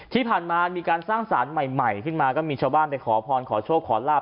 ที่ผ่านมามีการสร้างสารใหม่ขึ้นมาก็มีชาวบ้านไปขอพรขอโชคขอลาบ